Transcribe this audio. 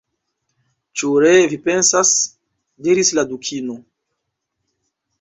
"Ĉu ree vi pensas?" diris la Dukino.